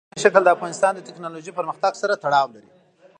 ځمکنی شکل د افغانستان د تکنالوژۍ پرمختګ سره تړاو لري.